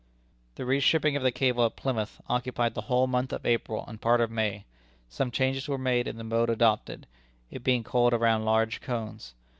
The reshipping of the cable at Plymouth occupied the whole month of April and part of May. Some changes were made in the mode adopted, it being coiled around large cones.